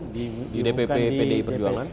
di dpp pdi perjuangan